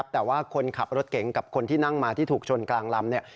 แต่ว่าคนขับรถเก๋งกับคนที่นั่งมาที่ถูกชนกลางลำ